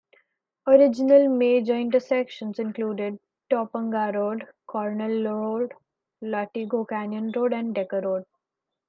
Original major intersections included Topanga Road, Cornell Road, Latigo Canyon Road, and Decker Road.